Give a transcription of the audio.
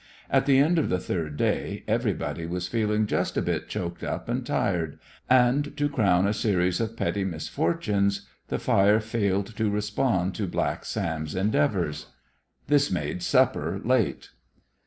At the end of the third day everybody was feeling just a bit choked up and tired, and, to crown a series of petty misfortunes, the fire failed to respond to Black Sam's endeavours. This made supper late.